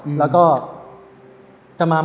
ส่วนเสื้อสีอะไรครับ